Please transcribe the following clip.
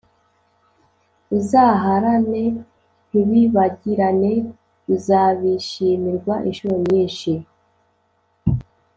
Uzaharane ntibibagirane Uzabishimirwa inshuro nyinshi .